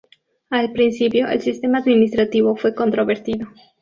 Al principio el sistema administrativo fue controvertido.